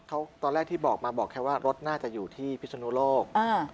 เขาตอนแรกที่บอกมาบอกแค่ว่ารถน่าจะอยู่ที่พิศนุโลกอ่า